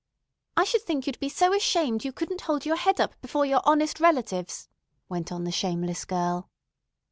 "I should think you'd be so ashamed you couldn't hold your head up before your honest relatives," went on the shameless girl.